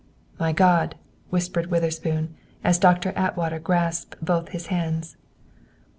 "My God!" whispered Witherspoon, as Doctor Atwater grasped both his hands.